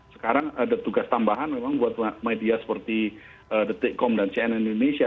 sekarang ada tugas tambahan memang buat media seperti the tick com dan cnn indonesia